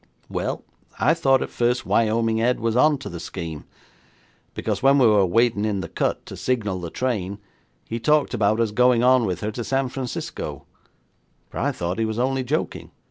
Well, I thought at first Wyoming Ed was on to the scheme, because when we were waiting in the cut to signal the train he talked about us going on with her to San Francisco, but I thought he was only joking.